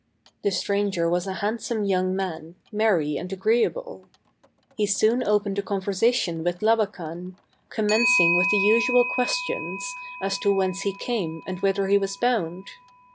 The stranger was a handsome young man, merry and agreeable. He soon opened a conver sation with Labakan, commencing with the usual questions, as to whence he came and whither he was bound.